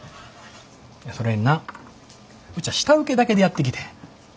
それになぁうちは下請けだけでやってきてん。